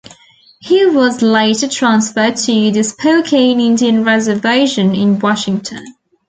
He was later transferred to the Spokane Indian Reservation in Washington.